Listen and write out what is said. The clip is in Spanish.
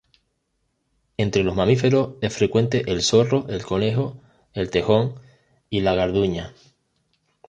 Entre los mamíferos es frecuente el zorro, el conejo, el tejón y la garduña.